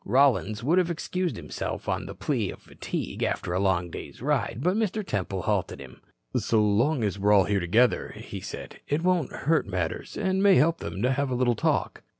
Rollins would have excused himself on the plea of fatigue after a long day's ride, but Mr. Temple halted him. "So long as we are here altogether," he said, "it won't hurt matters, and may help them, to have a little talk."